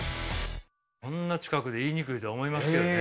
こんな近くで言いにくいとは思いますけどね。